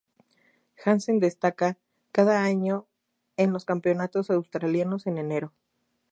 Hansen destaca, cada año en los Campeonatos Australianos en enero.